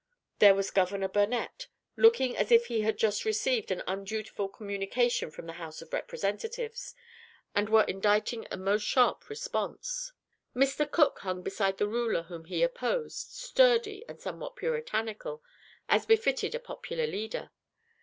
There was Governor Burnet, looking as if he had just received an undutiful communication from the House of Representatives, and were inditing a most sharp response. Mr. Cooke hung beside the ruler whom he opposed, sturdy, and somewhat puritanical, as befitted a popular leader.